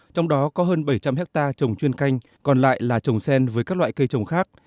trong đó có hơn bảy trăm linh hectare trồng chuyên canh còn lại là trồng sen với các loại cây trồng khác